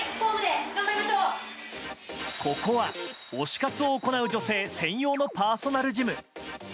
ここは推し活を行う女性専用のパーソナルジム。